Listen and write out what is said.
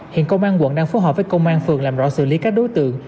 hiện công an quận đang phối hợp với công an phường làm rõ xử lý các đối tượng